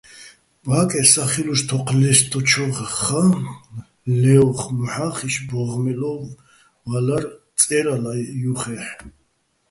ბა́კე სახილუშ თოჴ ლე́სტდოჩოხა́ ლე́ოხ მოჰ̦ახიშ ბო́ღმელო ვა́ლლარ წე́რალა ჲუჰ̦ეხ.